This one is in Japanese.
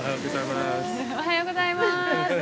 ◆おはようございます。